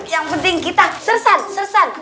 yang penting kita seresan seresan